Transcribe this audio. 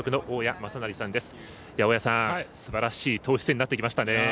大矢さん、すばらしい投手戦になってきましたね。